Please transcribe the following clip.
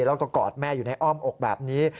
แล้วก็กอดแม่อยู่ในอ้อมอกแบบนี้